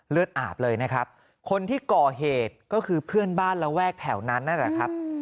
เลือดอาบเลยนะครับคนที่ก่อเหตุก็คือเพื่อนบ้านระแวกแถวนั้นนั่นแหละครับ